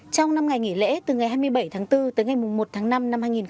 trong năm ngày nghỉ lễ từ ngày hai mươi bảy tháng bốn tới ngày một tháng năm năm hai nghìn hai mươi bốn